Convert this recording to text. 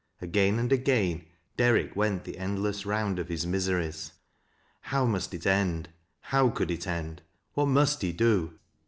Again and again Derrick went the end less round of his miseries. How must it end ? How could it end ? What must he do